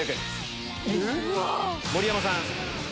盛山さん。